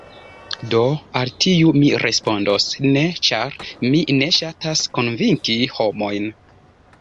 Do, al tiu mi respondos ‘ne’ ĉar mi ne ŝatas konvinki homojn